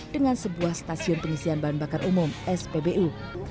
dengan sebuah stasiun pengisian bahan bakar umum spbu